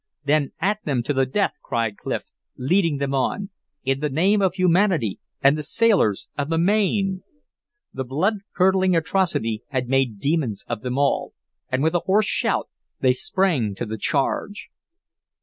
"Then at them to the death!" cried Clif, leading them on. "In the name of humanity and the sailors of the Maine!" The blood curdling atrocity had made demons of them all, and with a hoarse shout they sprang to the charge.